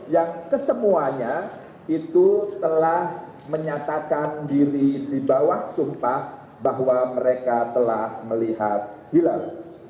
yang kesemuanya itu telah menyatakan diri di bawah sumpah bahwa mereka telah melihat hilal